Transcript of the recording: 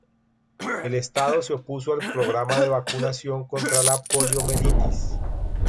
El estado se opuso al programa de vacunación contra la poliomielitis.